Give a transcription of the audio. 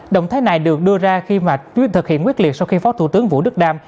động thái này được đưa ra khi mà chuyến thực hiện quyết liệt sau khi phó thủ tướng vũ đức đam